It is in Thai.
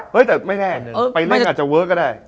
เฮ้ยแต่ไม่แน่ไปนั่งอาจจะเวิร์กก็ได้